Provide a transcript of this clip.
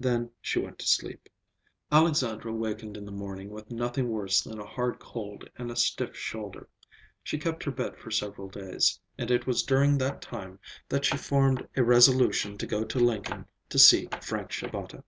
Then she went to sleep. Alexandra wakened in the morning with nothing worse than a hard cold and a stiff shoulder. She kept her bed for several days, and it was during that time that she formed a resolution to go to Lincoln to see Frank Shabata.